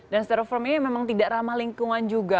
dan steroform ini memang tidak ramah lingkungan juga